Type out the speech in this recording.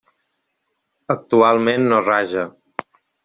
Actualment no raja.